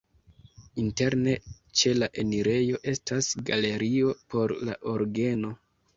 Interne ĉe la enirejo estas galerio por la orgeno.